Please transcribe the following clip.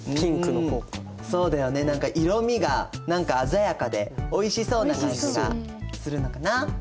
そうだよね何か色みが鮮やかでおいしそうな感じがするのかな。